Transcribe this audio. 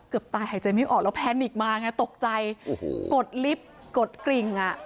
เกือบตายหายใจไม่ออกแล้วแพนิกมาตกใจกดลิฟต์กดกริ่ง